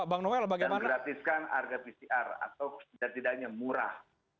dan beratiskan harga pcr atau setidaknya murah